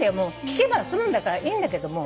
聞けば済むんだからいいんだけども。